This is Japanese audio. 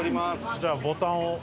じゃあボタンを。